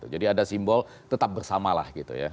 jadi ada simbol tetap bersama lah gitu ya